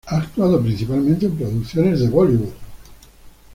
Ha actuado principalmente en producciones de Bollywood.